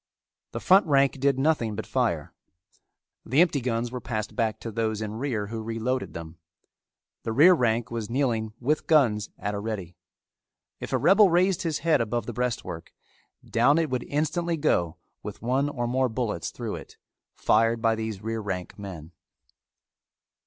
The front rank did nothing but fire. The empty guns were passed back to those in rear who reloaded them. The rear rank was kneeling with guns at a ready. If a rebel raised his head above the breastwork, down it would instantly go with one or more bullets through it, fired by these rear rank men.